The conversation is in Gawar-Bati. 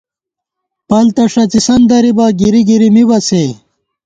پَل تہ ݭڅِسن درِبہ ، گِری گری مِبہ سے